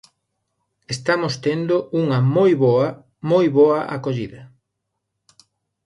Estamos tendo unha moi boa, moi boa acollida.